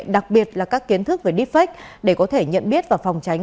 đặc biệt là các kiến thức về defect để có thể nhận biết và phòng tránh